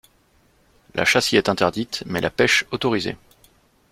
La chasse y est interdite mais la pêche autorisée.